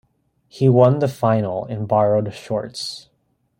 He won the final in borrowed shorts.